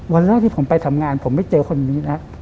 วันแรกที่ผมไปทำงานผมไม่เจอคนนี้แล้ว